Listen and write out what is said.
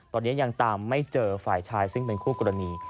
ตอนนี้ยังตามไม่เจอฝ่ายชายซึ่งเป็นคู่กรณี